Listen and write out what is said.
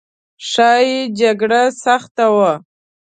ښایي جګړه سخته وه.